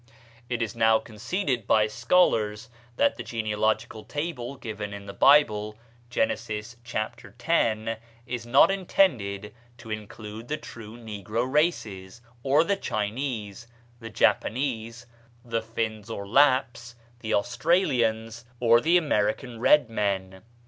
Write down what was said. It is now conceded by scholars that the genealogical table given in the Bible (Gen., chap. x.) is not intended to include the true negro races, or the Chinese, the Japanese, the Finns or Lapps, the Australians, or the American red men.